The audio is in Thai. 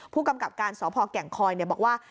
ผู้กำกับการสพแก่งคอยบอกว่า